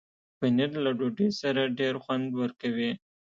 پنېر له ډوډۍ سره ډېر خوند ورکوي.